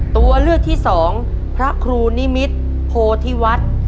ตัวเลือกที่สองพระครูนิมิตรโพธิวัฒน์